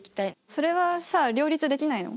それはさ両立できないの？